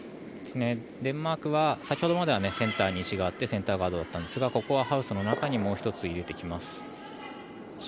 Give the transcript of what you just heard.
デンマークは先ほどまではセンターに石があってセンターガードだったんですがここはハウスの中に石を入れていきます。